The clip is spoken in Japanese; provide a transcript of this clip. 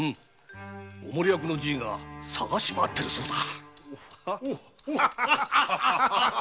お守役のじいが捜しまわっているそうだ。